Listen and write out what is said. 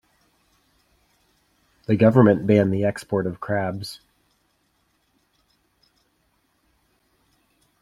The government banned the export of crabs.